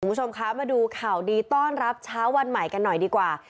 คุณผู้ชมคะมาดูข่าวดีต้อนรับเช้าวันใหม่กันหน่อยดีกว่า